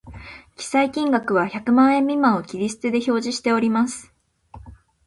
記載金額は百万円未満を切り捨てて表示しております